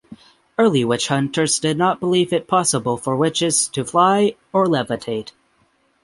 Early witch hunters did not believe it possible for witches to fly or levitate.